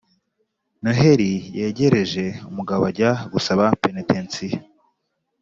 noheli yegereje , umugabo ajya gusaba penetensiya.